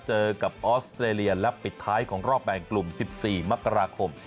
เจอกับออสเตรเลียและปิดท้ายของรอบแบ่งกลุ่ม๑๔มกราคม